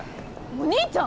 お兄ちゃん！